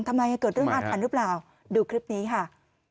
ทำไมเกิดเรื่องอาถรรพ์หรือเปล่าดูคลิปนี้ค่ะ